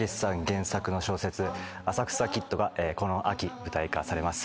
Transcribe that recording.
原作の小説『浅草キッド』がこの秋舞台化されます。